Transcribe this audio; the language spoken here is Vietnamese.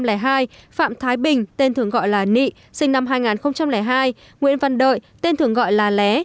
phạm thái bình tên thường gọi là nị sinh năm hai nghìn hai nguyễn văn đợi tên thường gọi là lé